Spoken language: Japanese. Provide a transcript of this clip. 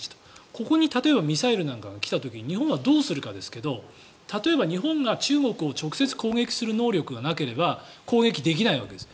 ここに例えばミサイルなんかが来た時に日本はどうするかですが例えば日本が中国を直接攻撃する能力がなければ攻撃できないんです。